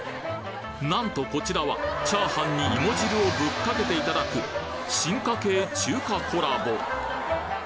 なんとこちらはチャーハンにいも汁をぶっかけていただく進化系中華コラボ